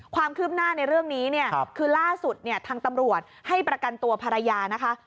ความคืบหน้าในเรื่องนี้เนี่ยคือล่าสุดเนี่ยทางตำรวจให้ประกันตัวภรรยานะคะ